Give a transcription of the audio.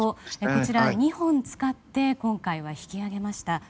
こちら２本使って今回は引き揚げました。